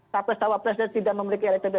capres cawapresnya tidak memiliki elektb